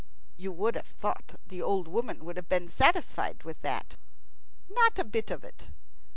You would have thought the old woman would have been satisfied with that. Not a bit of it.